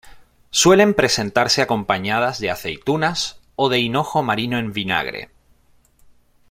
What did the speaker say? Suelen presentarse acompañadas de aceitunas o de hinojo marino en vinagre.